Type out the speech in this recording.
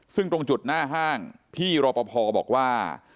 ซึ่งตรงจุดหน้าห้างพี่รอปภบอกว่า